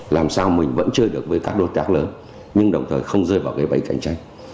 làm sao mình vẫn chơi được với các đối tác lớn nhưng đồng thời không rơi vào cái bẫy cạnh tranh